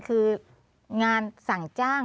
คืองานสั่งจ้าง